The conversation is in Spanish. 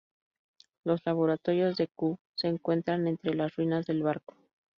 Los laboratorios de Q se encuentran entre las ruinas del barco.